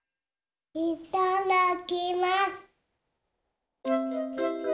いただきます！